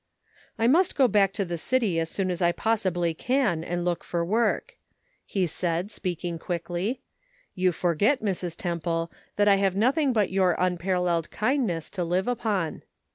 " I must go back to the city as soon as I possibly can, and look for work," he said, speak ing quickly. " You forget, Mrs. Temple, that I have nothing but your unparalleled kindness to live upon."